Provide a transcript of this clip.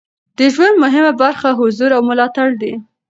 د ژوند مهمه برخه حضور او ملاتړ دی.